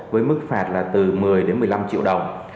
với mức phạt là từ một mươi đến một mươi năm triệu đồng